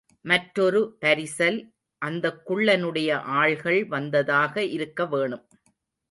மற்றொரு பரிசல் அந்தக் குள்ளனுடைய ஆள்கள் வந்ததாக இருக்க வேணும்.